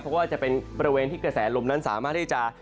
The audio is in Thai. เพราะว่าจะเป็นบริเวณที่กระแสลมนั้นสามารถที่จะ